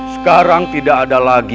sekarang tidak ada lagi